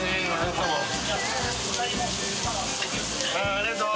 ありがとう。